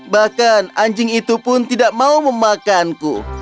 bahkan anjing itu pun tidak mau memakanku